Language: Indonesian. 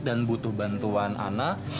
dan butuh bantuan ana